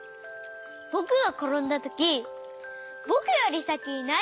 ぼくがころんだときぼくよりさきにないてました。